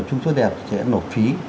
chúng số đẹp sẽ nộp phí